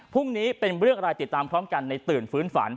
พรุ่งนี้เป็นเรื่องอะไรติดตามพร้อมกันในตื่นฟื้นฝัน